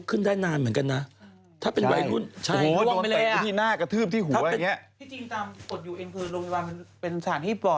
เพราะว่าเขาเห็นว่าคนนี้ถูกแทง